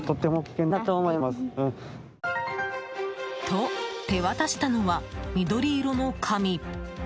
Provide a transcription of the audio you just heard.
と、手渡したのは緑色の紙。